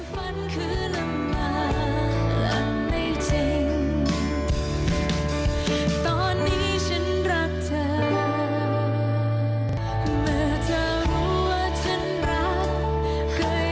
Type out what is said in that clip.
ก็อย่าทำให้ฉันลงบอกมันหายตามตรง